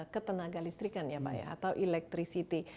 ketenaga listrikan ya pak ya atau electricity